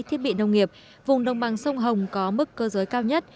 thiết bị nông nghiệp vùng đồng bằng sông hồng có mức cơ giới cao nhất